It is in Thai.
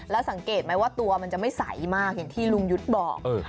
แล้วสังเกตไหมว่าตัวมันจะไม่ใสมากอย่างที่ลุงยุทธ์บอก